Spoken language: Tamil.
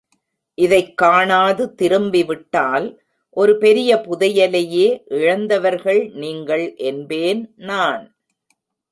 இதைக் காணாது திரும்பி விட்டால் ஒரு பெரிய புதையலையே இழந்தவர்கள் நீங்கள் என்பேன் நான்.